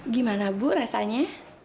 gimana bu rasanya